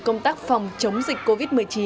công tác phòng chống dịch covid một mươi chín